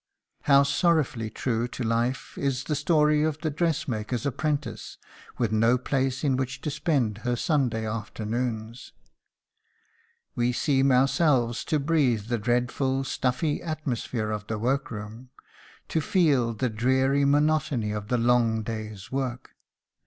How sorrowfully true to life is the story of the dressmaker's apprentice with no place in which to spend her Sunday afternoons! We seem ourselves to breathe the dreadful "stuffy" atmosphere of the workroom, to feel the dreary monotony of the long day's work.